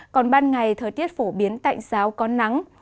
còn ban ngày thời tiết phổ biến tạnh giáo có nắng